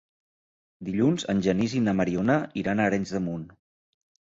Dilluns en Genís i na Mariona iran a Arenys de Munt.